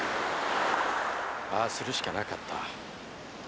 ああするしかなかった。